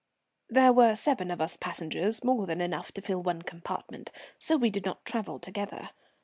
There were seven of us passengers, more than enough to fill one compartment, so we did not travel together.